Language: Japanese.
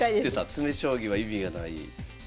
詰将棋は意味がない。